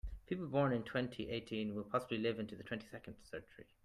People born in twenty-eighteen will possibly live into the twenty-second century.